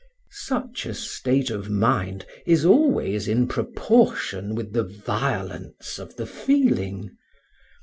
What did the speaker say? Such a state of mind is always in proportion with the violence of the feeling.